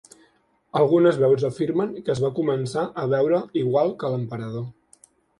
Algunes veus afirmen que es va començar a veure igual que l'emperador.